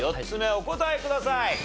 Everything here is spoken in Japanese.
４つ目お答えください。